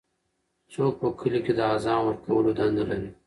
څوک په کلي کې د اذان ورکولو دنده لري؟